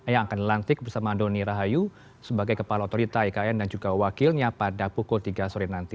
yang akan dilantik bersama andoni rahayu sebagai kepala otorita ikn dan juga wakilnya pada pukul tiga sore nanti